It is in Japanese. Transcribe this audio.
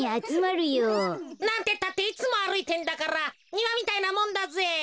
なんてったっていつもあるいてんだからにわみたいなもんだぜ。